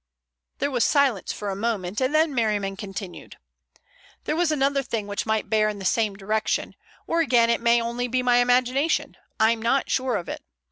There was silence for a moment, and then Merriman continued: "There was another thing which might bear in the same direction, or again it may only be my imagination—I'm not sure of it.